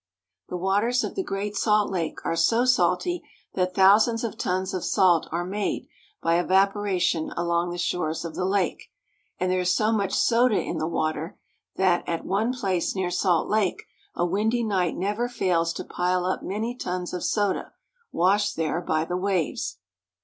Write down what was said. The waters of the Great Salt Lake are so salty that thousands of tons of salt are made by evaporation along the shores of the lake ; and there is so much soda in the water that, at one place near Salt Lake, a windy night never fails to pile up many tons of soda, washed there by the waves.